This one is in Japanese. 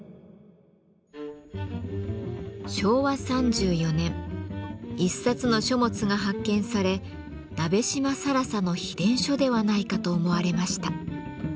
昭和３４年一冊の書物が発見され鍋島更紗の秘伝書ではないかと思われました。